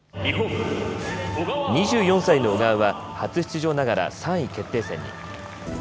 ２４歳の小川は初出場ながら３位決定戦に。